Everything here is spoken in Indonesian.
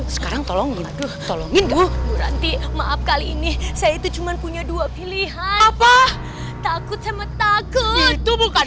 sekarang tolong tolong maaf kali ini saya itu cuma punya dua pilihan apa takut sama takut itu bukan